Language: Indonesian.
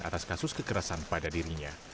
atas kasus kekerasan pada dirinya